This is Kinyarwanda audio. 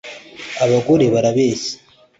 n’abagore bararbeshya